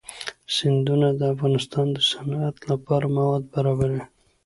سیندونه د افغانستان د صنعت لپاره مواد برابروي.